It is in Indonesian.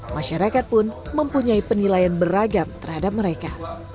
masyarakat pun mempunyai penilaian beragam terhadap mereka